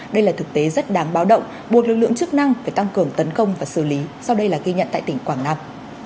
đây là thực tế rất đáng báo động buộc lực lượng chức năng phải tăng cường tấn công và xử lý sau đây là ghi nhận tại tỉnh quảng nam